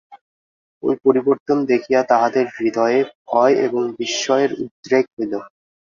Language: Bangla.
ঐ পরিবর্তন দেখিয়া তাঁহাদের হৃদয়ে ভয় ও বিস্ময়ের উদ্রেক হইল।